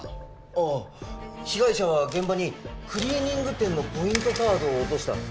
ああ被害者は現場にクリーニング店のポイントカードを落とした。